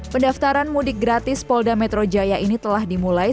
pendaftaran mudik gratis polda metro jaya ini telah dimulai